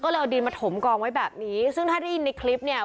ก็เลยเอาดินมาถมกองไว้แบบนี้ซึ่งถ้าได้ยินในคลิปเนี่ย